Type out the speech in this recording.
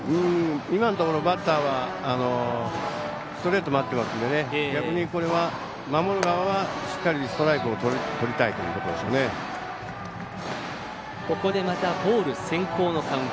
今のところバッターはストレート待ってますので逆に、これは守る側はしっかりストライクをとりたいというところでしょうね。